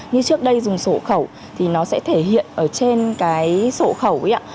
như trước đây dùng sổ khẩu thì nó sẽ thể hiện ở trên cái sổ khẩu ạ